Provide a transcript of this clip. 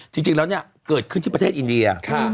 จริงแล้วเนี่ยเกิดขึ้นที่ประเทศอินเดีย